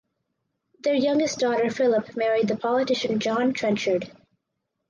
Their youngest daughter Philip married the politician John Trenchard.